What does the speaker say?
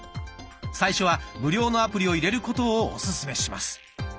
最初は無料のアプリを入れることをオススメします。